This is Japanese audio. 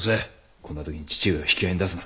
こんな時に父上を引き合いに出すな。